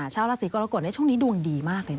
ชาวราศีกรกฎในช่วงนี้ดวงดีมากเลยนะ